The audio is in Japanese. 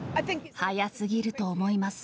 早すぎると思います。